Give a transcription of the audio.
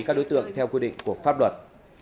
các đối tượng theo quy định của pháp luật